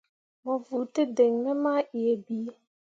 Mo vuu tǝdiŋni me mah yie bii.